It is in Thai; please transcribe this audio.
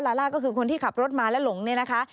ล่าก็คือคนที่ขับรถมาและหลงเนี่ยนะคะ